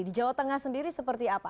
di jawa tengah sendiri seperti apa